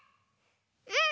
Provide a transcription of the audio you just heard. うん！